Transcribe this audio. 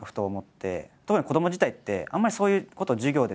特に子ども時代ってあんまりそういうことを授業で習わない。